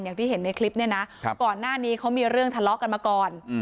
อย่างที่เห็นในคลิปเนี่ยนะก่อนหน้านี้เขามีเรื่องทะเลาะกันมาก่อน